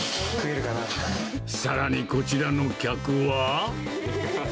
さらにこちらの客は。